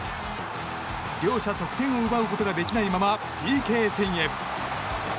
両者、得点を奪うことができないままＰＫ戦へ。